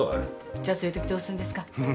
じゃあそういうときどうするんですか？